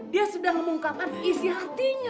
dia sudah mengungkapkan isi hatinya